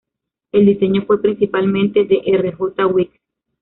El diseño fue principalmente de R. J. Weeks.